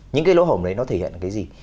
những cái lỗ hổm đấy nó thể hiện cái gì